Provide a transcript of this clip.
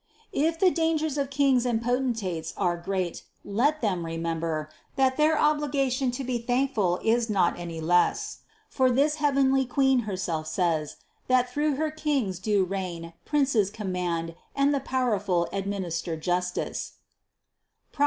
If the dangers of kings and potentates are great, let them remember, that their obligation to be thankful is not any less; for this heavenly Queen her self says, that through Her kings do reign, princes com mand, and the powerful administer justice (Prov.